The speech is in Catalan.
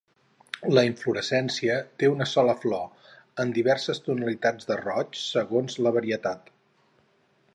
La inflorescència té una sola flor, en diverses tonalitats de roig segons la varietat.